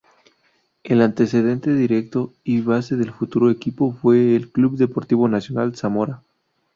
El antecedente directo y base del futuro equipo fue el "Club Deportivo Nacional Zamora".